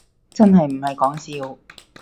真係唔係講笑